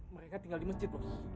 mereka tinggal di masjid